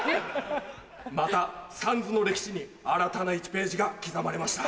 また『ＳＡＮＺＵ』の歴史に新たな１ページが刻まれました。